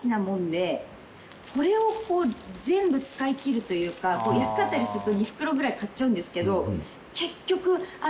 これを全部使い切るというか安かったりすると２袋ぐらい買っちゃうんですけど。